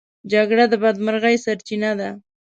جګړه د بدمرغۍ سرچينه ده.